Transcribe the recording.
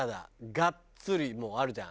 がっつりもうあるじゃん。